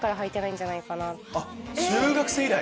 中学生以来⁉